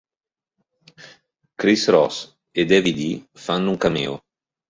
Kris Kross e Heavy D fanno un cameo.